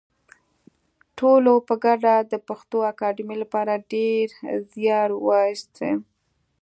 ټولو په ګډه د پښتو اکاډمۍ لپاره ډېر زیار وایستی